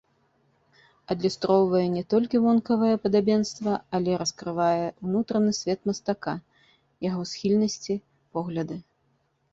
Адлюстроўвае не толькі вонкавае падабенства, але і раскрывае ўнутраны свет мастака, яго схільнасці, погляды.